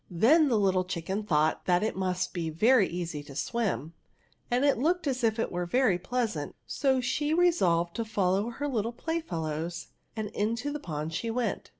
Then the little chicken thought that it must be very easy to swim, and it looked as if it was very pleasant, so she resolved to follow her little play fellows, and into the pond she went.